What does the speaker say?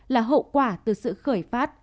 là hậu quả từ sự khởi phát